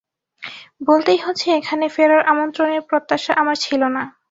বলতেই হচ্ছে এখানে ফেরার আমন্ত্রণের প্রত্যাশা আমার ছিল না।